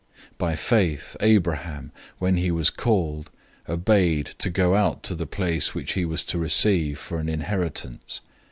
011:008 By faith, Abraham, when he was called, obeyed to go out to the place which he was to receive for an inheritance.